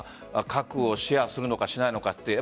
核をシェアするのかしないのかって。